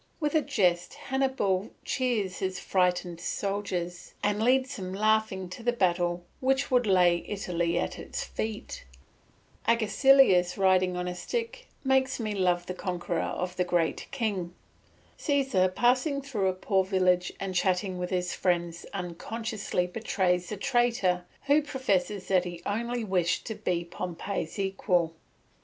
With a jest Hannibal cheers his frightened soldiers, and leads them laughing to the battle which will lay Italy at his feet; Agesilaus riding on a stick makes me love the conqueror of the great king; Caesar passing through a poor village and chatting with his friends unconsciously betrays the traitor who professed that he only wished to be Pompey's equal.